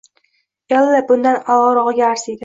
Ella bundan a`lorog`iga arziydi